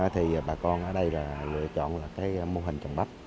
thì bà con ở đây lựa chọn mô hình trồng bắp